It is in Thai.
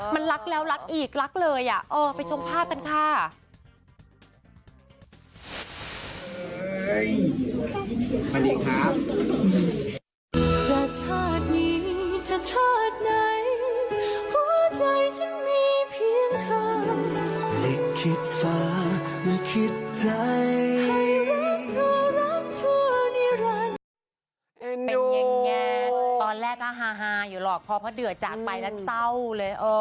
ไหนหัวใจฉันมีเพียงเธอไม่คิดฟ้าไม่คิดใจให้รักเธอรักเธอนิรันดร์